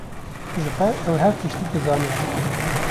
Jixwe ew her tiştî dizanin.